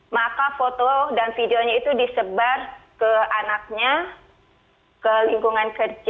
maka foto dan videonya itu disebar ke anaknya ke lingkungan kerja